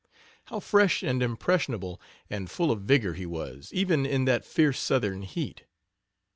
How fresh and impressionable and full of vigor he was, even in that fierce southern heat!